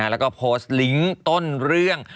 แล้วก็โพสต์ลิงก์ต้นเรื่อง